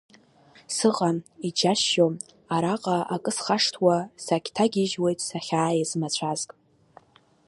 Сыҟам, иџьасшьо, араҟа акы схашҭуа, сагьҭагьежьуеит сахьааиз мацәазк.